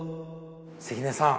関根さん